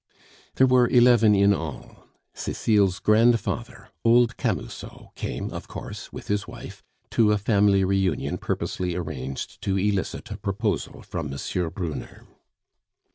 There were eleven in all. Cecile's grandfather, old Camusot, came, of course, with his wife to a family reunion purposely arranged to elicit a proposal from M. Brunner.